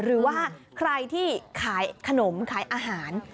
หรือว่าใครที่ขายขนมขายอาหาร